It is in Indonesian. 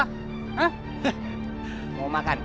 he mau makan